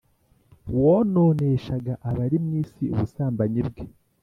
wononeshaga abari mu isi ubusambanyi bwe,